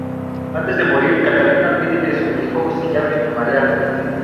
Antes de morir, Catalina pide que su hijo se llame Mariano.